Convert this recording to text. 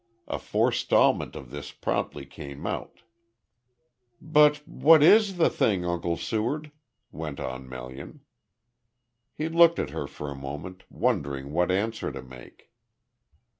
A forestalment of this promptly came out. "But what is the thing, Uncle Seward?" went on Melian. He looked at her for a moment, wondering what answer to make.